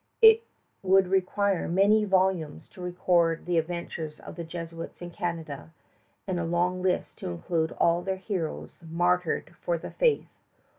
It would require many volumes to record the adventures of the Jesuits in Canada, and a long list to include all their heroes martyred for the faith.